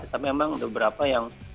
tapi memang beberapa yang